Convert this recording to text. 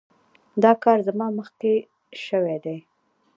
دا کار زما مخکې شوی دی.